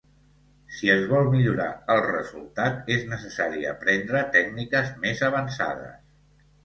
Si es vol millorar el resultat, és necessari aprendre tècniques més avançades.